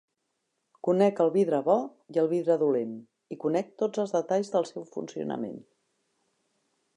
Conec el vidre bo i el vidre dolent, i conec tots els detalls del seu funcionament.